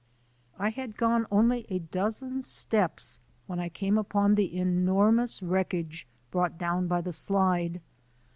I had gone only a dozen steps when I came upon the enormous wreckage brought down by the slide.